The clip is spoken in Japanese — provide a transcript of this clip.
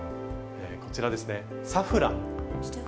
こちらですね「サフラン」。